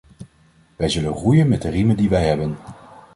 Wij zullen roeien met de riemen die wij hebben.